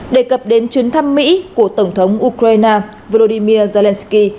đề cập đến chuyến thăm mỹ của tổng thống ukraine volodymyr zelensky